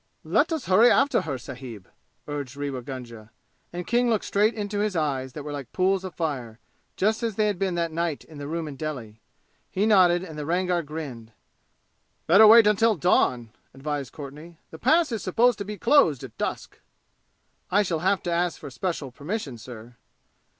"Let us hurry after her, sahib!" urged Rewa Gunga, and King looked straight into his eyes, that were like pools of fire, just as they had been that night in the room in Delhi. He nodded and the Rangar grinned. "Better wait until dawn," advised Courtenay. "The Pass is supposed to be closed at dusk." "I shall have to ask for special permission, sir."